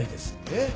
えっ？